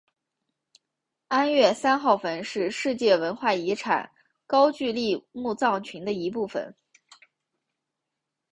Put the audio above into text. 安岳三号坟是世界文化遗产高句丽墓葬群的一部份。